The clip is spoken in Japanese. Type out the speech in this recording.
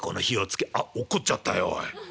あっ落っこっちゃったよおい。